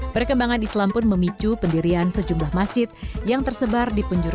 perkembangan islam pun memicu pendirian sejumlah masjid yang tersebar di penjuruan